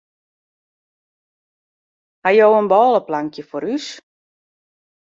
Hawwe jo in bôleplankje foar ús?